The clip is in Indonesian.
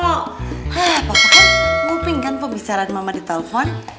eh papa kan nguping kan pembicaraan mama di telepon